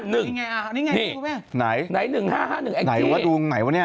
นี่ไงนี่ไงครับพี่แม่ไหน๑๕๑ไอ้เกี้ย